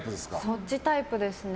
そっちタイプですね。